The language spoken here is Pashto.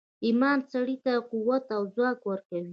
ایمان سړي ته قوت او ځواک ورکوي